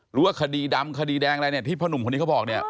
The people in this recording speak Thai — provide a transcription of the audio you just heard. หรือว่าคดีดำคดีแดงอะไรเนี่ยที่พ่อหนุ่มคนนี้เขาบอกเนี่ย